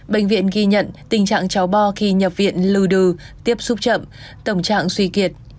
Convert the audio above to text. bệnh viện ghi nhận tình trạng cháu bò khi nhập viện lưu đừ tiếp xúc chậm tổng trạng suy kiệt